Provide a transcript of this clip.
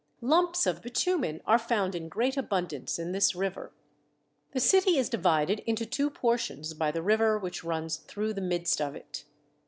Lumps of bitumen are found in great abundance in this river. The city is divided into two portions by the river which runs through the midst of it.